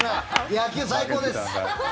野球、最高です！